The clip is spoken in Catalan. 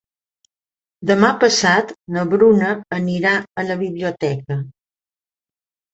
Demà passat na Bruna anirà a la biblioteca.